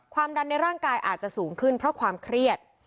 ความดันในร่างกายอาจจะสูงขึ้นเพราะความเครียด